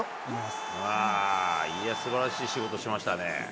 すばらしい仕事しましたね。